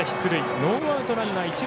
ノーアウト、ランナー、投手。